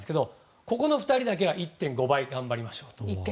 ここの２人だけは１．５倍頑張りましょうと。